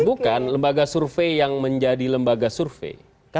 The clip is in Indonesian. bukan lembaga survei yang menjadi lembaga survei